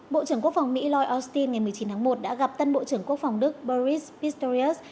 bộ trưởng quốc phòng mỹ lloyd austin ngày một mươi chín tháng một đã gặp tân bộ trưởng quốc phòng đức boris pistorius